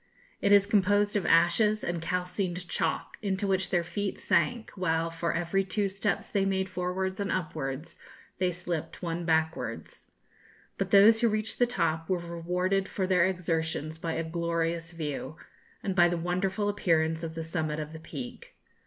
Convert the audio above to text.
It is composed of ashes and calcined chalk, into which their feet sank, while, for every two steps they made forwards and upwards, they slipped one backwards. But those who reached the top were rewarded for their exertions by a glorious view, and by the wonderful appearance of the summit of the Peak.